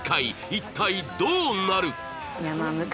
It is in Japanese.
一体どうなる？